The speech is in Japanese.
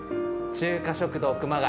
中華食堂熊谷